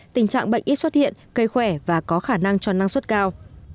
tình trạng bệnh ít xuất hiện cây khỏe và có khả năng cho năng suất cao